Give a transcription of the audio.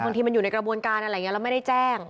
บางทีมันอยู่ในกระบวนการอะไรอย่างนี้แล้วไม่ได้แจ้ง